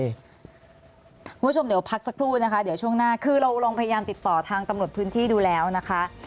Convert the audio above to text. คุณผู้ชมเดี๋ยวพักสักครู่นะคะเดี๋ยวช่วงหน้าคือเราลองพยายามติดต่อทางตำรวจพื้นที่ดูแล้วนะคะ